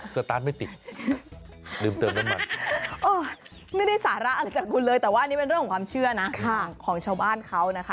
สตาร์ทไม่ติดลืมเติมน้ำมันไม่ได้สาระอะไรจากคุณเลยแต่ว่าอันนี้เป็นเรื่องของความเชื่อนะของชาวบ้านเขานะคะ